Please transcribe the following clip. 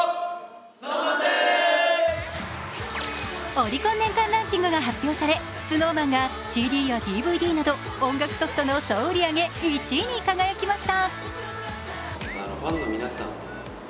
オリコン年間ランキングが発表され、ＳｎｏｗＭａｎがＣＤやＤＶＤなど音楽ソフトの総売上１位に輝きました。